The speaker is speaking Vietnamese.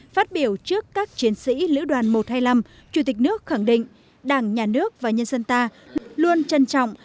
phát biểu trước các chiến sĩ lữ đoàn một trăm hai mươi năm chủ tịch nước khẳng định đảng nhà nước và nhân dân ta luôn trân trọng